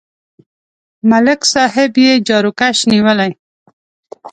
ملک صاحب یې جاروکش نیولی.